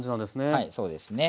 はいそうですね。